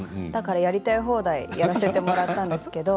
やりたい放題やらせてもらったんですけど。